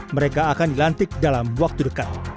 mereka akan dilantik dalam waktu dekat